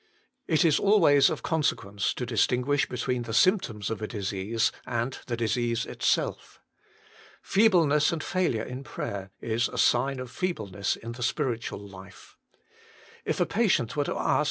It is always of consequence to distinguish between the symptoms of a disease and the disease itself. Feebleness and failure in prayer is a sign of feeble ness in the spiritual life. If a patient were to ask WHO SHALL DELIVER